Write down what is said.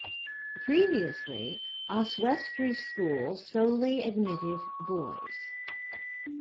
Previously, Oswestry School solely admitted boys.